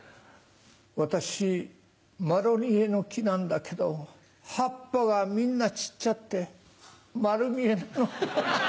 私マロニエの木なんだけど葉っぱがみんな散っちゃってマルミエなの。